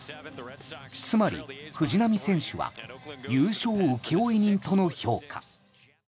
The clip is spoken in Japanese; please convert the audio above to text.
つまり藤浪選手は優勝請負人との評価。